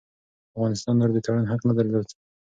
افغانستان نور د تړون حق نه درلود.